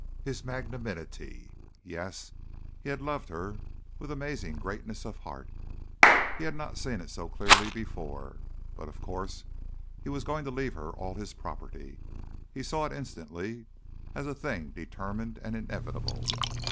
His magnanimity! Yes! he had loved her with amazing greatness of heart. He had not seen it so clearly before but of course he was going to leave her all his property. He saw it instantly, as a thing determined and inevitable.